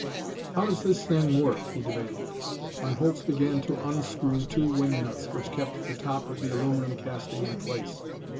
"How does this thing work?" he demanded. Von Holtz began to unscrew two wing nuts which kept the top of the aluminum casting in place.